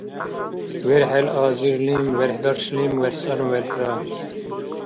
верхӀел азирлим верхӀдаршлим верхӀцӀанну верхӀра